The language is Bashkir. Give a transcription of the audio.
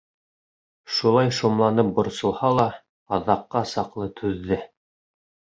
Шулай шомланып борсолһа ла, аҙаҡҡа саҡлы түҙҙе.